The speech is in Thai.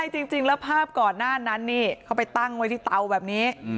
จริงแล้วภาพก่อนหน้านั้นนี่เขาไปตั้งไว้ที่เตาแบบนี้